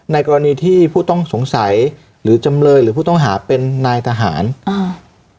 กรณีที่ผู้ต้องสงสัยหรือจำเลยหรือผู้ต้องหาเป็นนายทหารอ่า